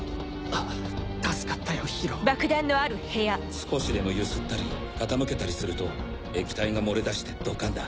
少しでも揺すったり傾けたりすると液体が漏れ出してドカンだ。